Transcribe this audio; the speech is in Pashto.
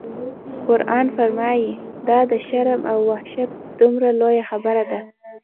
قرآن فرمایي: دا د شرم او وحشت دومره لویه خبره ده.